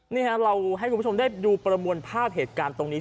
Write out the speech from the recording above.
นี่ฮะเราให้คุณผู้ชมได้ดูประมวลภาพเหตุการณ์ตรงนี้